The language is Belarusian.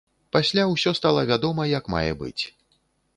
Пасля ўсё стала вядома як мае быць.